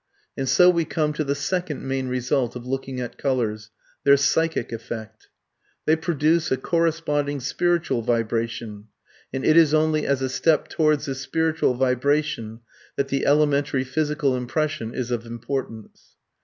And so we come to the second main result of looking at colours: THEIR PSYCHIC EFFECT. They produce a corresponding spiritual vibration, and it is only as a step towards this spiritual vibration that the elementary physical impression is of importance.